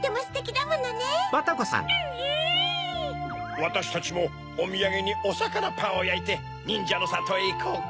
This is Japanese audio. わたしたちもおみやげにおさかなパンをやいてにんじゃのさとへいこうか。